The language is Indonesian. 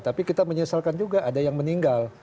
tapi kita menyesalkan juga ada yang meninggal